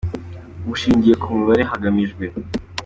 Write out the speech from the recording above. bushingiye ku mibare, hagamijwe.